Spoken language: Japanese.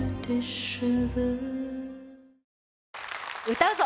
「歌うぞ！